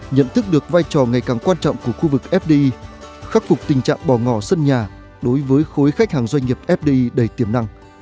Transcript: nhận thức được vai trò ngày càng quan trọng của khu vực fdi khắc phục tình trạng bỏ ngỏ sân nhà đối với khối khách hàng doanh nghiệp fdi đầy tiềm năng